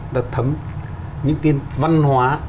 đã thấm những cái văn hóa